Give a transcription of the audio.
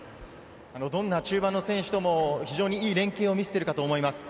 どんな中盤の選手ともいい連係を見せているなと思います。